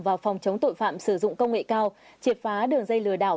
và phòng chống tội phạm sử dụng công nghệ cao triệt phá đường dây lừa đảo